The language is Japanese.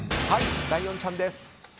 ライオンちゃんです。